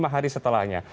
lima hari setelah itu